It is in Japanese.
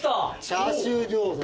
チャーシュー餃子！